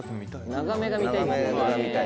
長めが見たい。